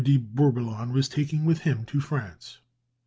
de Bourboulon was taking with him to France.